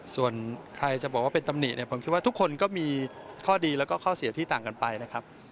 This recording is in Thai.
ส่วนใครจะบอกว่าเป็นตำหนิเนี่ยผมคิดว่าทุกคนก็มีข้อดีแล้วก็ข้อเสียที่ต่างกันไปนะครับ